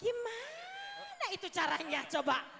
gimana itu caranya coba